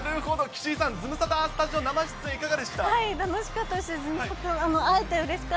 岸井さん、ズムサタはスタジオ生出演いかがでしたか？